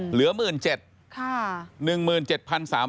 เหลือ๑๗๐๐บาท